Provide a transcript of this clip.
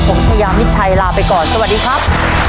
ผมชายามิดชัยลาไปก่อนสวัสดีครับ